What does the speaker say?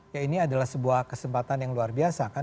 ya ini adalah sebuah kesempatan yang luar biasa kan